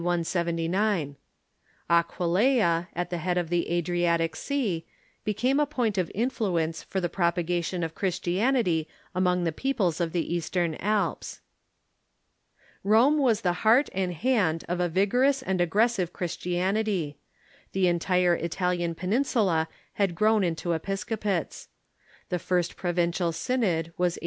179. Aquileia, at the head of the Adri atic Sea, became a point of influence for the propagation of Christianity among the peoples of the eastern Alps. Rome was the heart and hand of a vigorous and aggressive Christianity. The entire Italian peninsula had grown into episcopates. The first provincial synod was a.